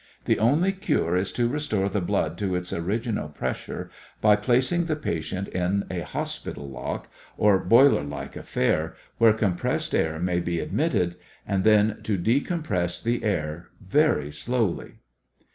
The only cure is to restore the blood to its original pressure by placing the patient in a hospital lock, or boiler like affair, where compressed air may be admitted; and then to decompress the air very slowly.